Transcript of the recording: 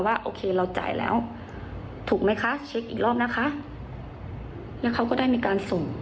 แล้วก็เนี่ยค่ะจะมีชื่อเขียนไว้ทางบริษัทที่ส่งมาให้เขา